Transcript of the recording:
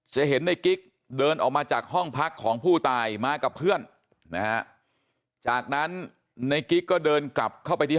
จะเห็นในกิ๊กเดินออกมาจากห้องพักของผู้ตายมากับเพื่อนนะครับ